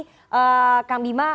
terima kasih kang bima